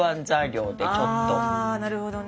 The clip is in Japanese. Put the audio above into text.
あなるほどね。